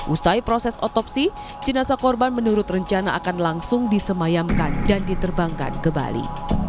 usai proses otopsi jenazah korban menurut rencana akan langsung disemayamkan dan diterbangkan ke bali